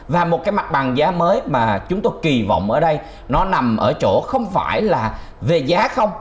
và một cái mặt bằng giá mới mà chúng tôi kỳ vọng ở đây nó nằm ở chỗ không phải là về giá không